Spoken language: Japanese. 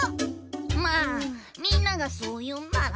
まあみんながそう言うんなら。